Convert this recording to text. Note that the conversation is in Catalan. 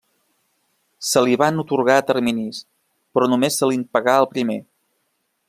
Se li van atorgar a terminis, però només se li'n pagà el primer.